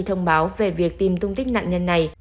thông báo về việc tìm tung tích nạn nhân này